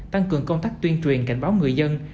tăng cường công tác tuyên truyền cảnh báo người dân